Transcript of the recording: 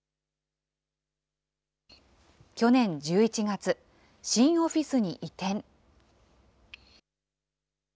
去年１１月、新オフィスに移転。